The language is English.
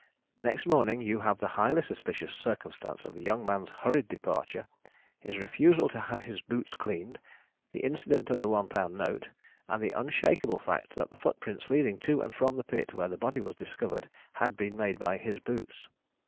"Next morning you have the highly suspicious circumstance of the young man's hurried departure, his refusal to have his boots cleaned, the incident of the £1 note, and the unshakable fact that the footprints leading to and from the pit where the body was discovered had been made by his boots.